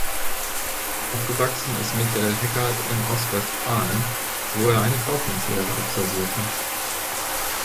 Aufgewachsen ist Michael Heckert in Ostwestfalen, wo er eine Kaufmannslehre absolvierte.